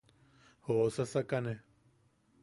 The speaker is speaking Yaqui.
Joʼosasakane.